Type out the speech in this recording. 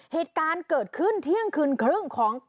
เหตุการณ์เกิดขึ้นเที่ยงคืนครึ่งของ